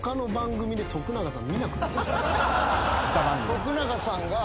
徳永さん。